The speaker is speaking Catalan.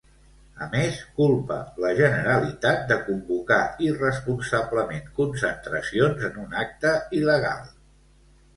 A més, culpa la Generalitat de convocar irresponsablement concentracions en un acte il·legal.